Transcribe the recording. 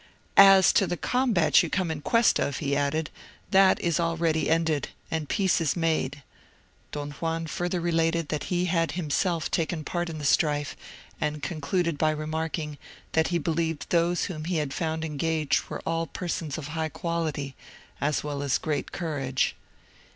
"As to the combat you come in quest of," he added, "that is already ended, and peace is made." Don Juan further related that he had himself taken part in the strife; and concluded by remarking, that he believed those whom he had found engaged were all persons of high quality, as well as great courage.